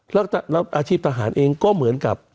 แล้วอาชีพทหารเองก็เหมือนกับ